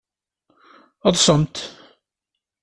Ḍsemt!